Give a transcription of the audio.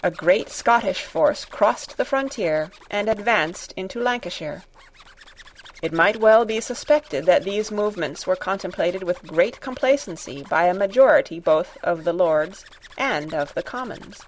A great Scottish force crossed the frontier and advanced into Lancashire. It might well be suspected that these movements were contemplated with secret complacency by a majority both of the Lords and of the Commons.